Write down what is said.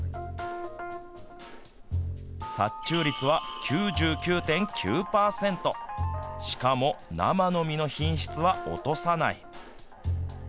殺虫率は９９．９パーセントしかも生の身の品質は落とさない。